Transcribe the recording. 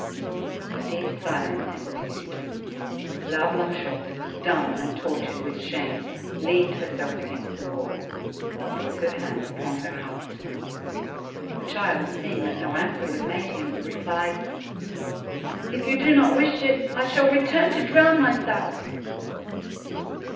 A deep silence ensued. La Blanchotte, dumb and tortured with shame, leaned herself against the wall, both her hands upon her heart. The child seeing that no answer was made him, replied: "If you do not wish it, I shall return to drown myself."